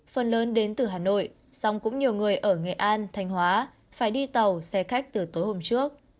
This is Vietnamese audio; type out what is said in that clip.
phần lớn đến từ hà nội song cũng nhiều người ở nghệ an thanh hóa phải đi tàu xe khách từ tối hôm trước